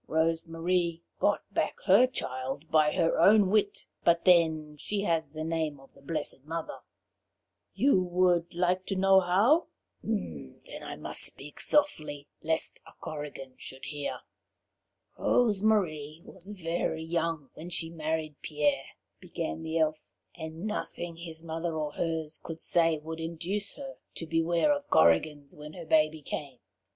Rose Marie got back her child by her own wit, but then she has the name of the blessed Mother. 'You would like to know how?' Then I must speak softly, lest a Korrigan should hear." Rose Marie and the Poupican. "Rose Marie was very young when she married Pierre," began the Elf, "and nothing his mother or hers could say would induce her to beware of Korrigans when her baby came.